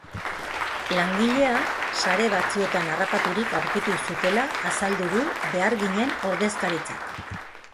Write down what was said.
Langilea sare batzuetan harrapaturik aurkitu zutela azaldu du beharginen ordezkaritzak.